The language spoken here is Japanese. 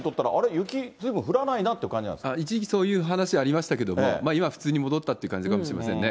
雪、ずいぶん降らないなという感じな一時期、そういう話ありましたけど、今、普通に戻ったという感じがしますね。